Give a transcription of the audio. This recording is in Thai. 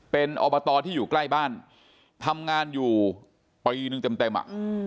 เป็นอบตที่อยู่ใกล้บ้านทำงานอยู่ปีนึงเต็มอ่ะ